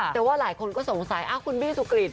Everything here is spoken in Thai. แต่ว่าหลายคนก็สงสัยคุณบี้สุกริต